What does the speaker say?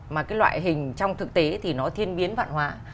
mà cái loại hình trong thực tế thì nó thiên biến vạn hóa